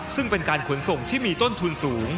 ซึ่งเป็นการขนส่งที่มีต้นทุนสูง